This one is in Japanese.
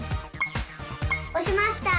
おしました！